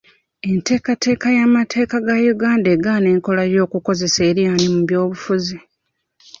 Enteekateeka y'amateeka ga Uganda egaana enkola y'okukozesa eryanyi mu by'obufuzi.